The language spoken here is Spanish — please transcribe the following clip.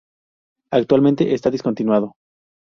Actualmente está discontinuado.